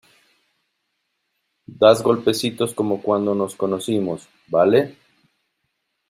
das golpecitos como cuando nos conocimos, ¿ vale?